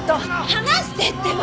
離してってば！